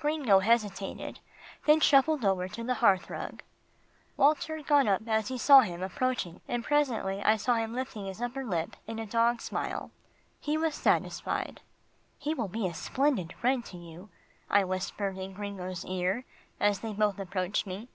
Gringo hesitated, then he shuffled over to the hearth rug. Walter got up as he saw him approaching and presently I saw him lifting his upper lip in a dog smile. He was satisfied. "He will be a splendid friend to you," I whispered in Gringo's ear, as they both approached me.